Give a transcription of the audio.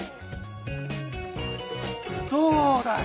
どうだい！